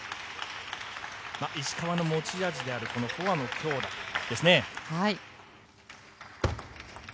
石川の持ち味であるこのフォアの強度ですね。